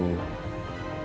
aku tuh mencoba menjelidikannya